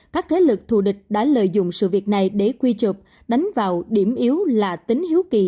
các thế lực thù địch đã lợi dụng sự việc này để quy chộp đánh vào điểm yếu là tính hiếu kỳ